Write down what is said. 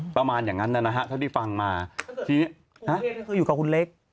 ประมาณอย่างนั้นนะฮะเท่าที่ฟังมาทีนี้คืออยู่กับคุณเล็ก